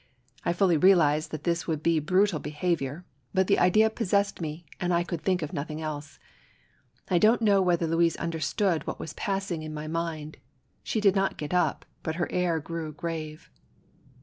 I fully realized that this would be brutal behaviour, but the idea possessed me and I could think of nothing else. I don't know whether Louise understood what was passing in my mind ; she did not get up, but her air grew grave.